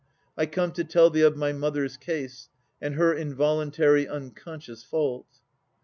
I come to tell thee of my mother's case, And her involuntary unconscious fault.